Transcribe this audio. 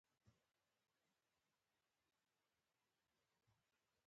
زه ور وړاندې نه شوم.